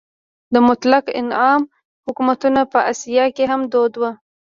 د مطلق العنان حکومتونه په اسیا کې هم دود وو.